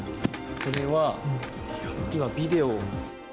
これは、今ビデオが。